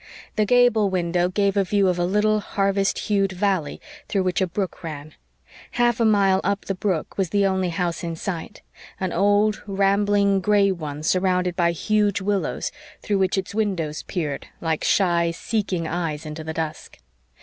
The gable window gave a view of a little harvest hued valley through which a brook ran. Half a mile up the brook was the only house in sight an old, rambling, gray one surrounded by huge willows through which its windows peered, like shy, seeking eyes, into the dusk.